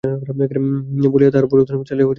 বলিয়া তাঁহার পর্বতাশ্রম ছাড়িয়া তিনি বাহির হইলেন।